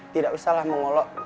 tidak usahlah mengolok